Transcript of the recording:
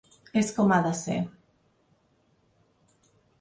És com ha de ser.